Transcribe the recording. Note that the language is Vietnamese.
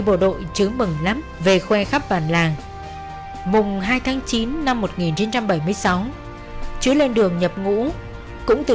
trường chứ mừng lắm về khoe khắp bàn làng mùng hai tháng chín năm một nghìn chín trăm bảy mươi sáu chứ lên đường nhập ngũ cũng từ